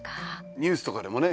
ニュースとかでもね